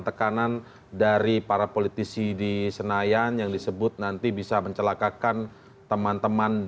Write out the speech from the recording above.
tekanan dari para politisi di senayan yang disebut nanti bisa mencelakakan teman teman